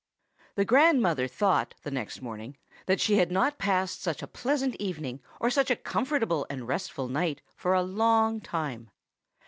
THE grandmother thought, the next morning, that she had not passed such a pleasant evening, or such a comfortable and restful night, for a long time.